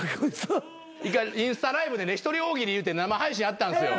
１回インスタライブで一人大喜利いうて生配信やったんですよ。